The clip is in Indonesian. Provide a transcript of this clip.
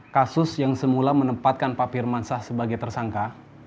kasus yang semula menempatkan pak pirmansah sebagai tersangka